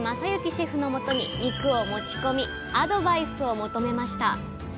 シェフのもとに肉を持ち込みアドバイスを求めました。